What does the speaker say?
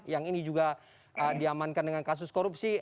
yang ini juga diamankan dengan kasus korupsi